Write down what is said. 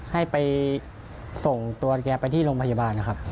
ให้ไปส่งตัวแกไปที่โรงพยาบาลนะครับ